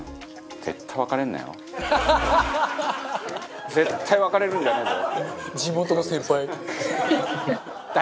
バカリズム：絶対別れるんじゃねえぞ！